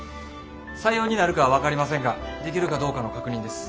採用になるかは分かりませんができるかどうかの確認です。